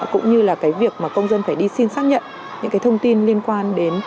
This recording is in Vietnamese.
cũng như là cái việc mà công dân phải đi xin xác nhận những cái thông tin liên quan đến